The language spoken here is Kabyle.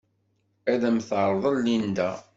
Ad am-t-terḍel Linda.